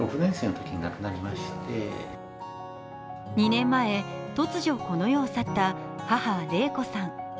２年前、突如この世を去った母、麗子さん。